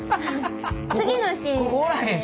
次のシーン。